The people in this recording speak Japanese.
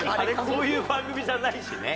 そういう番組じゃないしね。